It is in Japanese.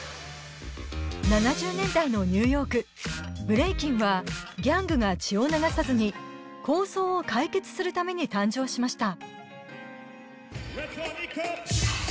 ７０年代のニューヨーク、ブレイキンはギャングが血を流さずに抗争を解決するために誕生しました。